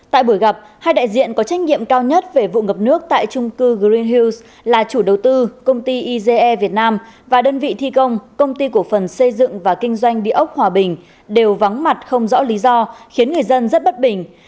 tại buổi gặp hai đại diện có trách nhiệm cao nhất về vụ ngập nước tại trung cư green hills là chủ đầu tư công ty ise việt nam và đơn vị thi công công ty cổ phần xây dựng và kinh doanh địa ốc hòa bình đều vắng mặt không rõ lý do khiến người dân rất bất bình